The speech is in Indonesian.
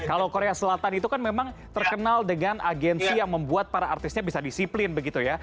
kalau korea selatan itu kan memang terkenal dengan agensi yang membuat para artisnya bisa disiplin begitu ya